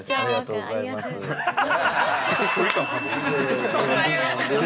ありがとうございます。